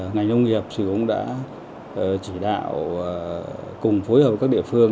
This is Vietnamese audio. ngành nông nghiệp sử dụng đã chỉ đạo cùng phối hợp các địa phương